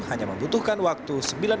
hanya membutuhkan waktu sebulan